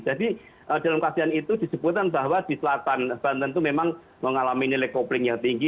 jadi dalam kajian itu disebutkan bahwa di selatan banten itu memang mengalami nilai kopling yang tinggi